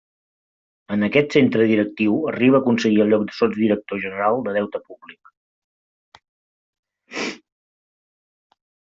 En aquest centre directiu arriba a aconseguir el lloc de sotsdirector general de Deute Públic.